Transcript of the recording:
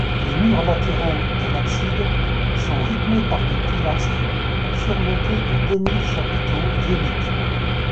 Les murs latéraux et l'abside sont rythmés par des pilastres surmontés de demi-chapiteaux ioniques.